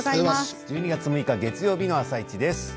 １２月６日月曜日の「あさイチ」です。